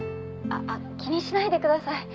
あっ気にしないでください。